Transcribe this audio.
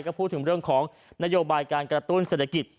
ก็พูดถึงเรื่องของนโยบายการกระตุ้นเศรษฐกิจ